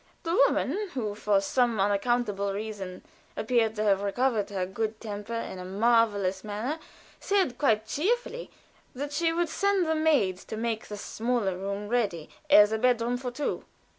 The woman, who for some unaccountable reason appeared to have recovered her good temper in a marvelous manner, said quite cheerfully that she would send the maid to make the smaller room ready as a bedroom for two.